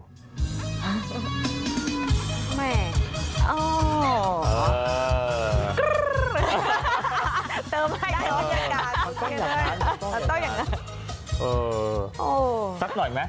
สัตว์หน่อยมั้ย